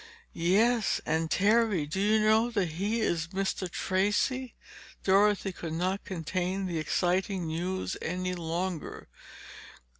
"Yes—and Terry, do you know that he is Mr. Tracey?" Dorothy could not contain the exciting news any longer.